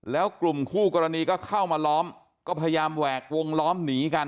แล้วกลุ่มคู่กรณีก็เข้ามาล้อมก็พยายามแหวกวงล้อมหนีกัน